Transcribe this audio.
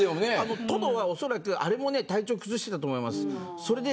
トドは、おそらく体調を崩していたと思います。